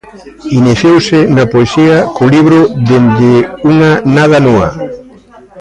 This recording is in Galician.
Iniciouse na poesía co libro "Dende unha nada núa".